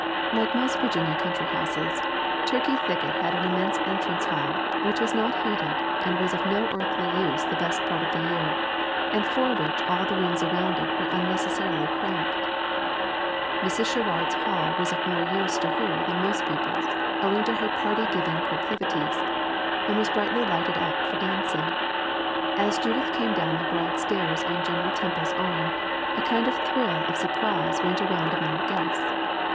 Like most Virginia country houses, Turkey Thicket had an immense entrance hall, which was not heated and was of no earthly use the best part of the year, and for which all the rooms around it were unnecessarily cramped. Mrs. Sherrard's hall was of more use to her than most people's, owing to her party giving proclivities, and was brightly lighted up for dancing. As Judith came down the broad stairs on General Temple's arm, a kind of thrill of surprise went around among the guests.